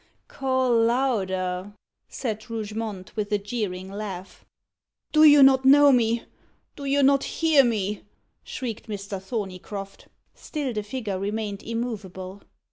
"Call louder," said Rougemont, with a jeering laugh. "Do you not know me? do you not hear me?" shrieked Mr. Thorneycroft. Still the figure remained immovable.